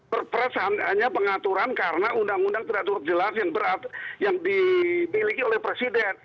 perpres hanya pengaturan karena undang undang tidak cukup jelas yang dimiliki oleh presiden